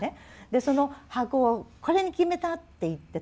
その箱を「これに決めた」って言って取るでしょ。